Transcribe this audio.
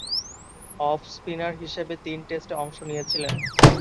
Of spinner হিসেবে তিন টেস্টে অংশ নিয়েছিলেন।